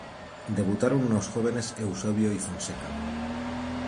Debutaron unos jóvenes Eusebio y Fonseca.